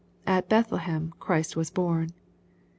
At Bethlehem Christ was born.